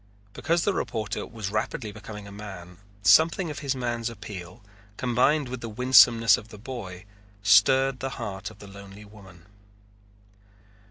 Because the reporter was rapidly becoming a man something of his man's appeal, combined with the winsomeness of the boy, stirred the heart of the lonely woman.